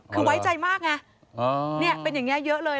คือไว้ใจมากไงเป็นอย่างนี้เยอะเลย